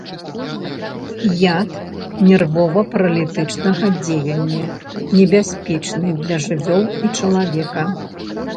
Яд нервова-паралітычнага дзеяння, небяспечны для жывёл і чалавека.